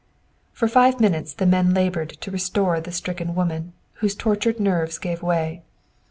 For five minutes the men labored to restore the stricken woman, whose tortured nerves gave way.